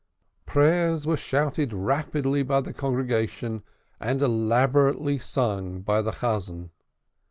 Prayers were shouted rapidly by the congregation, and elaborately sung by the Chazan.